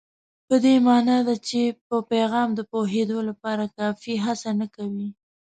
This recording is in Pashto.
په دې مانا ده چې په پیغام د پوهېدو لپاره کافي هڅه نه کوو.